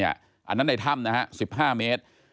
อันนั้นในถ้ำ๑๕เมตร